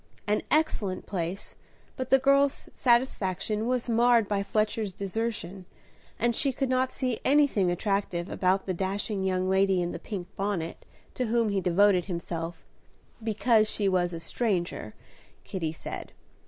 An excellent place, but the girl's satisfaction was marred by Fletcher's desertion, and she could not see anything attractive about the dashing young lady in the pink bonnet to whom he devoted himself, "because she was a stranger," Kitty said.